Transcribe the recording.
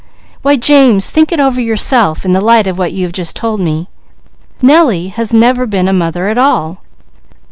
Why James, think it over yourself in the light of what you just have told me. Nellie never has been a mother at all!